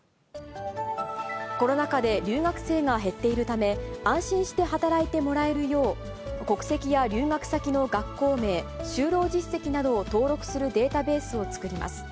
コロナ禍で留学生が減っているため、安心して働いてもらえるよう、国籍や留学先の学校名、就労実績などを登録するデータベースを作ります。